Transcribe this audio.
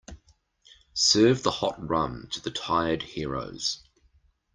Serve the hot rum to the tired heroes.